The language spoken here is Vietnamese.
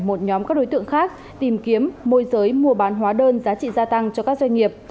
một nhóm các đối tượng khác tìm kiếm môi giới mua bán hóa đơn giá trị gia tăng cho các doanh nghiệp